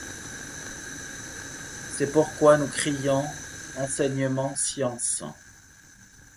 C’est pourquoi nous crions : enseignement ! science !